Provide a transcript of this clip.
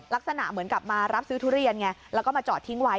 ลักษณะเหมือนกับมารับซื้อทุเรียนไงแล้วก็มาจอดทิ้งไว้